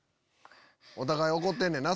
お互い怒ってんねんな